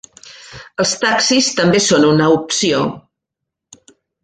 Els taxis també són una opció.